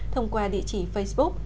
thông qua địa chỉ facebook